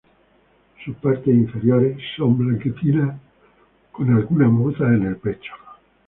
Sus partes inferiores son blanquecinas, con algunas motas en el pecho.